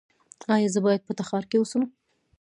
ایا زه باید په تخار کې اوسم؟